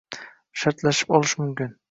shartlashib olish mumkin.